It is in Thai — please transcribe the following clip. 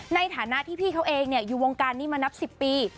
ในฐานะที่พี่เขาเองอยู่วงการนี้มานับ๑๐ปี